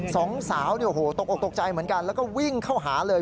สองสาวตกออกตกใจเหมือนกันแล้วก็วิ่งเข้าหาเลย